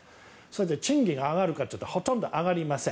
賃金が上がるかというとほとんど上がりません。